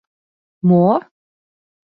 — Мо-о-о?